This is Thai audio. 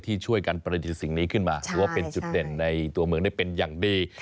ที่ช่วยกันประดิษฐ์สิ่งนี้ขึ้นมาถือว่าเป็นจุดเด่นในตัวเมืองได้เป็นอย่างดี